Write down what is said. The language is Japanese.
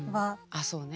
あそうね。